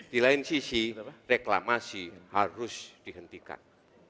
di lain sisi reklamasi harus dihentikan